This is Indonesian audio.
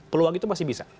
peluang itu masih bisa